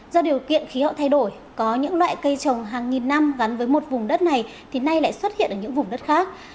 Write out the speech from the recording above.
do điều kiện khí hậu thay đổi có những loại cây trồng hàng nghìn năm gắn với một vùng đất này thì nay lại xuất hiện ở những vùng đất khác